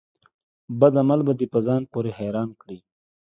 بد عمل به دي په ځان پوري حيران کړي